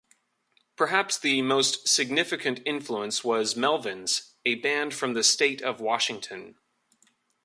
Perhaps the most significant influence was Melvins, a band from the state of Washington.